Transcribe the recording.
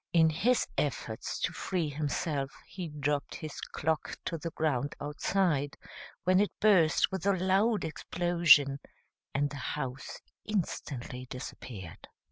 In his efforts to free himself he dropped his clock to the ground outside, when it burst with a loud explosion, and the house instantly disappeared.